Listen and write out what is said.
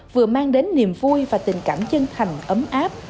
vừa mang đến niềm vui và tình cảm chân thành ấm áp